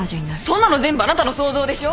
そんなの全部あなたの想像でしょ。